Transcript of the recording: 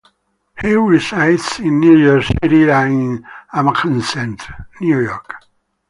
He resides in New York City and in Amagansett, New York.